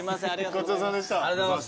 ごちそうさまでした。